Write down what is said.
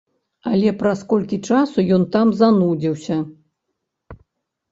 Але праз колькі часу ён там занудзіўся.